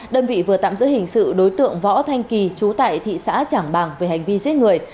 đơn vị vừa tạm giữ hình sự đối tượng võ thanh kỳ chú tại thị xã trảng bàng về hành vi giết người